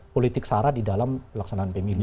politik sara di dalam pelaksanaan pemilu